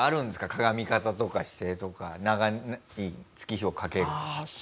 かがみ方とか姿勢とか長い月日をかける。